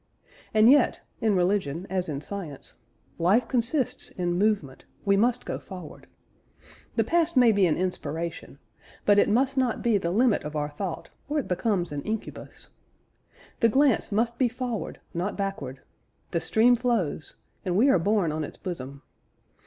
And yet, in religion as in science, life consists in movement; we must go forward. The past may be an inspiration, but it must not be the limit of our thought, or it becomes an incubus. The glance must be forward not backward; the stream flows, and we are borne on its bosom.